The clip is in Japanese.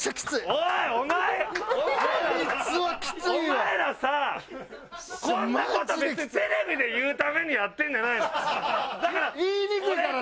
お前らさこんな事別にテレビで言うためにやってるんじゃないの。